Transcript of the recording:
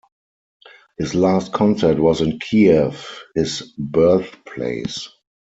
His last concert was in Kiev, his birthplace.